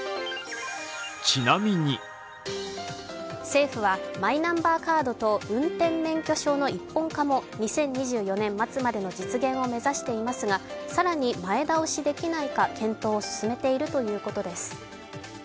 政府はマイナンバーカードと運転免許証の一本化も２０２４年末までの実現を目指していますが更に前倒しできないか検討を進めているということです。